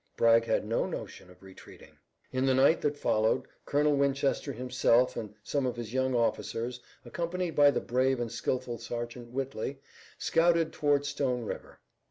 Bragg had no notion of retreating. In the night that followed Colonel Winchester himself and some of his young officers, accompanied by the brave and skillful Sergeant Whitley, scouted toward Stone River.